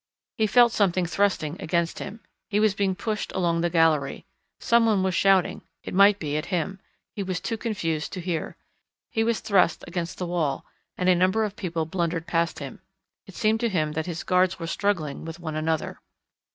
He felt something thrusting against him. He was being pushed along the gallery. Someone was shouting it might be at him. He was too confused to hear. He was thrust against the wall, and a number of people blundered past him. It seemed to him that his guards were struggling with one another.